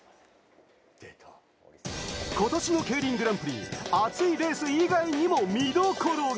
今年のＫＥＩＲＩＮグランプリ、熱いレース以外にも見どころが。